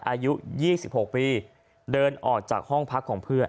อายุ๒๖ปีเดินออกจากห้องพักของเพื่อน